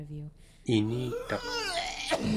initaq